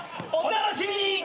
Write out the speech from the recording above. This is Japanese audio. お楽しみに！